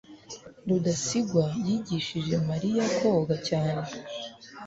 rudasingwa yigishije mariya koga cyane